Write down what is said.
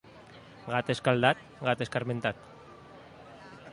Gat escaldat, gat escarmentat.